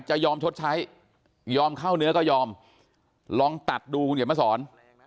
ยอมชดใช้ยอมเข้าเนื้อก็ยอมลองตัดดูคุณเขียนมาสอน